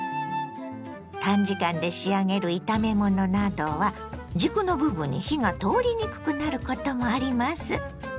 短時間で仕上げる炒め物などは軸の部分に火が通りにくくなることもあります。